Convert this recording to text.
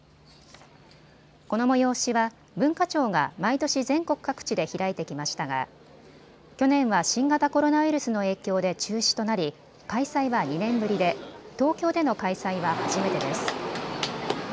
この催しは、文化庁が毎年、全国各地で開いてきましたが去年は新型コロナウイルスの影響で中止となり開催は２年ぶりで東京での開催は初めてです。